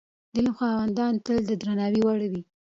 د علم خاوندان تل د درناوي وړ وي.